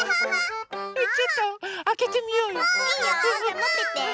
⁉ちょっとあけてみようよ。